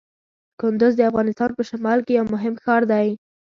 کندز د افغانستان په شمال کې یو مهم ښار دی.